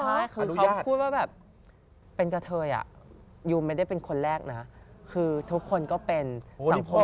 ใช่คือเขาพูดว่าแบบเป็นกะเทยอ่ะยูไม่ได้เป็นคนแรกนะคือทุกคนก็เป็นสังคม